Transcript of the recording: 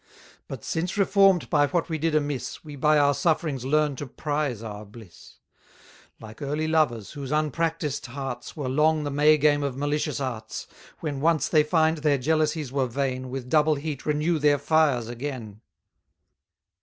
But, since reform'd by what we did amiss, We by our sufferings learn to prize our bliss: 210 Like early lovers, whose unpractised hearts Were long the May game of malicious arts, When once they find their jealousies were vain, With double heat renew their fires again.